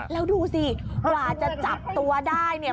แล้วดูสิกว่าจะจับตัวได้เนี่ย